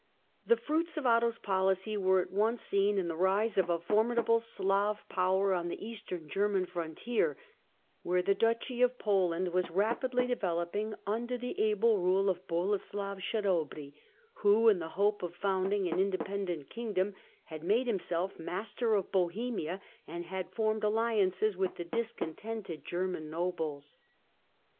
The fruits of Otto's policy were at once seen in the rise of a formidable Slav power on the eastern German frontier, where the duchy of Poland was rapidly developing under the able rule of Boleslav Chabry, who, in the hope of founding an independent kingdom, had made himself master of Bohemia and had formed alliances with the discontented German nobles.